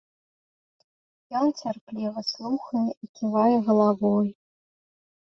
Ён цярпліва слухае і ківае галавой.